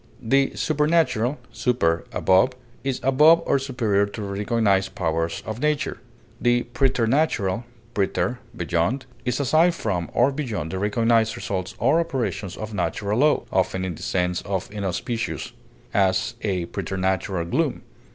The supernatural (super, above) is above or superior to the recognized powers of nature; the preternatural (preter, beyond) is aside from or beyond the recognized results or operations of natural law, often in the sense of inauspicious; as, a preternatural gloom.